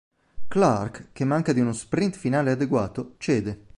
Clarke, che manca di uno sprint finale adeguato, cede.